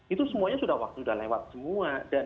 itu semuanya sudah waktu sudah lewat semua